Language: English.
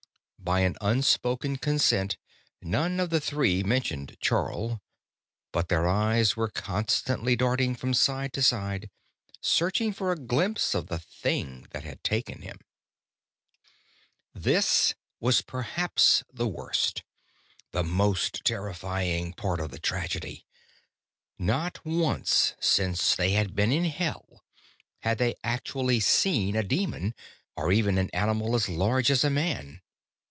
By an unspoken consent, none of the three mentioned Charl, but their eyes were constantly darting from side to side, searching for a glimpse of the thing that had taken him. That was perhaps the worst, the most terrifying part of the tragedy: not once, since they had been in Hell, had they actually seen a demon or even any animal as large as a man.